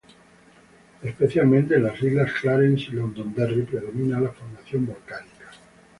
Especialmente en las islas Clarence y Londonderry predomina la formación volcánica.